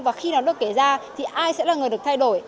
và khi nó được kể ra thì ai sẽ là người được thay đổi